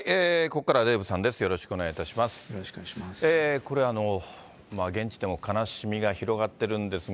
ここからはデーブさんです。